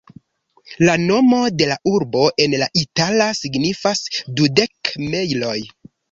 La nomo de la urbo en la itala signifas ""dudek mejloj"".